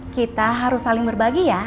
kita harus saling berbagi ya